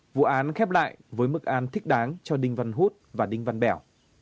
vụ án khép lại với mức án thích đáng cho đinh văn hút và đinh văn bẻo